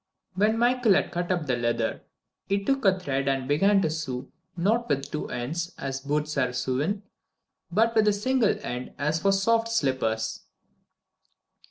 When Michael had cut up the leather, he took a thread and began to sew not with two ends, as boots are sewn, but with a single end, as for soft slippers.